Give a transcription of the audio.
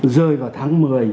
rơi vào tháng một mươi